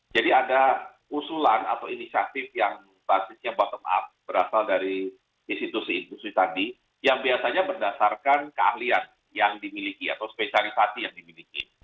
jadi ada usulan atau inisiatif yang basisnya bottom up berasal dari institusi institusi tadi yang biasanya berdasarkan keahlian yang dimiliki atau spesialisasi yang dimiliki